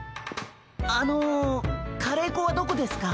あのカレーこはどこですか？